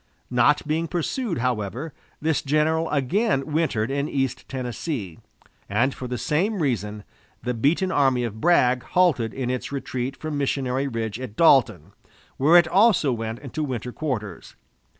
Not being pursued, however, this general again wintered in East Tennessee; and for the same reason, the beaten army of Bragg halted in its retreat from Missionary Ridge at Dalton, where it also went into winter quarters.